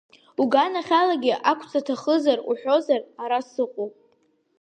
Уганахьалагьы ақәҵа аҭахуп рҳәозар, ара сыҟоуп.